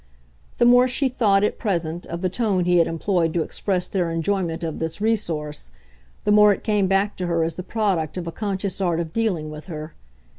The more she thought, at present, of the tone he had employed to express their enjoyment of this resource, the more it came back to her as the product of a conscious art of dealing with her.